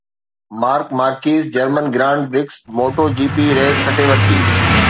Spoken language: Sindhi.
mark Marquez German grand prix Moto G P race کٽي ورتي